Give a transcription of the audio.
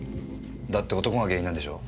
だって男が原因なんでしょ？